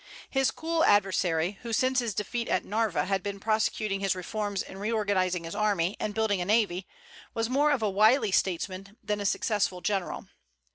His cool adversary, who since his defeat at Narva had been prosecuting his reforms and reorganizing his army and building a navy, was more of a wily statesman than a successful general.